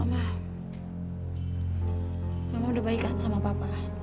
mama udah baik kan sama papa